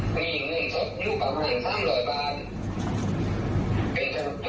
ถึงระวังทางคุณได้แวะสื่อ